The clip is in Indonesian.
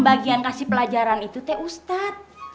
bagian kasih pelajaran itu teh ustadz